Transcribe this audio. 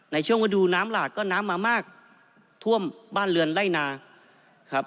ในช่วงวันดูน้ำหลากน้ำมามากถ้วมบ้านเรือนไล่นา